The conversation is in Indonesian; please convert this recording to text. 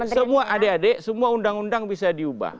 semua adik adik semua undang undang bisa diubah